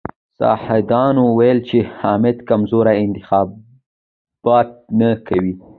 حاسدانو ويل چې حامد کرزی انتخابات نه کوي.